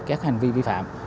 các hành vi vi phạm